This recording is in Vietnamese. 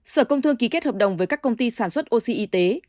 sở công thương ký kết hợp đồng với các công ty sản xuất oxy y tế